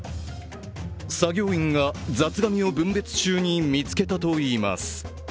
作業員が、雑がみを分別中に見つけたといいます。